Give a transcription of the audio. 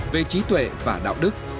về trí tuệ và đạo đức